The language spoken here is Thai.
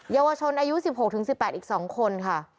เยาวชนอายุ๑๖๑๘อีก๒คนค่ะ